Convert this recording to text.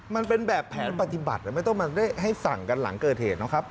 มันเป็นแบบแผนปฏิบัติไม่ต้องมาได้ให้สั่งกันหลังเกิดเหตุนะครับ